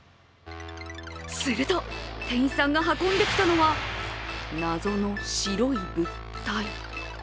すると、店員さんが運んできたのは謎の白い物体。